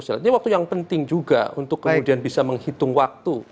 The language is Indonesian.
ini waktu yang penting juga untuk kemudian bisa menghitung waktu